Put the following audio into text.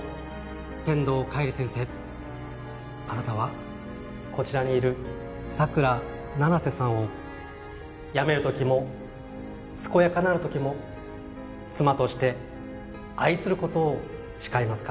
天堂浬先生あなたはこちらにいる佐倉七瀬さんを病める時も健やかなる時も妻として愛することを誓いますか？